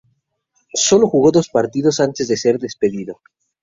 Sólo jugó dos partidos antes de ser despedido.